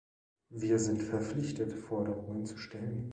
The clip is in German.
Wir sind verpflichtet, Forderungen zu stellen.